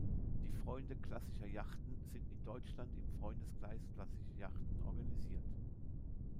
Die Freunde klassischer Yachten sind in Deutschland im Freundeskreis Klassische Yachten organisiert.